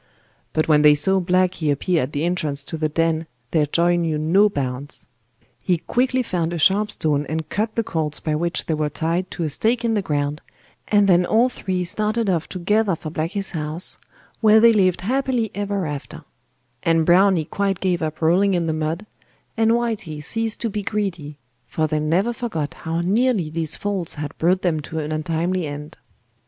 But when they saw Blacky appear at the entrance to the den their joy knew no bounds. He quickly found a sharp stone and cut the cords by which they were tied to a stake in the ground, and then all three started off together for Blacky's house, where they lived happily ever after; and Browny quite gave up rolling in the mud, and Whitey ceased to be greedy, for they never forgot how nearly these faults had brought them to an untimely end.